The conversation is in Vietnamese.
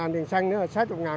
ba mươi tiền xăng nữa là sáu mươi